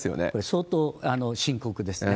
相当深刻ですね。